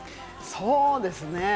そうですね。